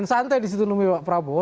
santai di situ nemui pak prabowo